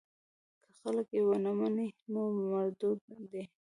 که خلک یې ونه مني نو مردود دی.